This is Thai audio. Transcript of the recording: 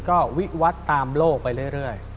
ก็วิวัตรตามโลกไปเรื่อย